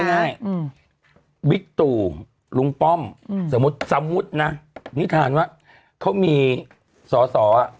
เอาง่ายวิตุลุงป้อมสมมุตินะนิทานว่าเขามีสอสอ